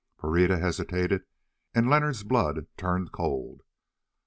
Pereira hesitated and Leonard's blood turned cold.